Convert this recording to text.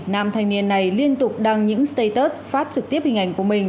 nam thanh niên này liên tục đăng những status phát trực tiếp hình ảnh của mình